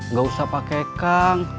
nggak usah pake kang